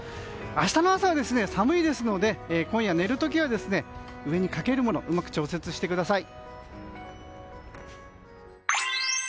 明日の朝は寒いですので今夜、寝る時は上にかけるものうまく調節してください。